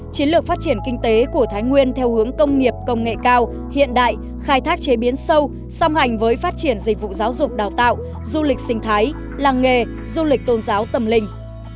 chiến lược phát triển kinh tế của thái nguyên theo hướng công nghiệp công nghệ cao hiện đại khai thác chế biến sâu song hành với phát triển dịch vụ giáo dục đào tạo du lịch sinh thái làng nghề du lịch tôn giáo tâm linh